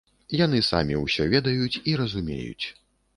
Яны самі ўсё ведаюць і разумеюць.